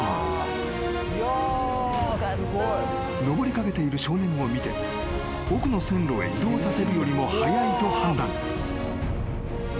［上りかけている少年を見て奥の線路へ移動させるよりも早いと判断］